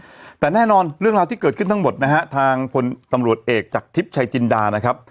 แต่แน่นอนเรื่องราวที่เกิดขึ้นทั้งหมดนะฮะทางพลตำรวจเอกจากทิพย์ชายจินดานะครับ